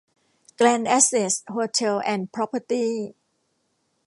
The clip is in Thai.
แกรนด์ แอสเสท โฮเทลส์ แอนด์ พรอพเพอร์ตี้